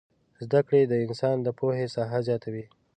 زدکړې د انسان د پوهې ساحه زياتوي